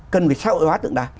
cần phải xác ủi hoá tượng đài